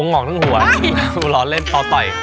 มันจะใจมากมาปุ๊บ